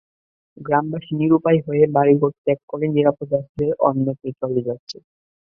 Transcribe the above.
গ্রামবাসী নিরুপায় হয়েই বাড়িঘর ত্যাগ করে নিরাপদ আশ্রয়ে অন্যত্র চলে যাচ্ছে।